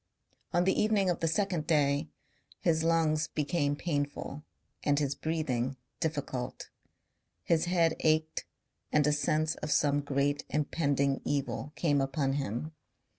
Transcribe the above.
On the evening of the second day his lungs became painful and his breathing difficult. His head ached and a sense of some great impending evil came upon him.